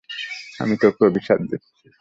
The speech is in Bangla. আমি তোকে অভিশাপ দিচ্ছি।